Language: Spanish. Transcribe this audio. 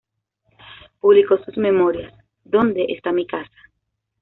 Publicó sus memorias "¿Donde está mi casa?